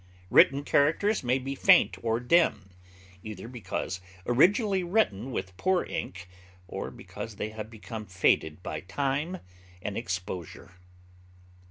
Written characters may be faint or dim, either because originally written with poor ink, or because they have become faded by time and exposure.